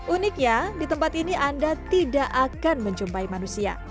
uniknya di tempat ini anda tidak akan menjumpai manusia